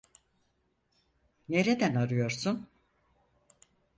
Nereden arıyorsun?